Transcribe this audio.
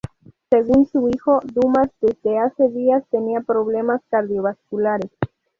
Según su hijo, Dumas desde hace días tenía problemas cardiovasculares.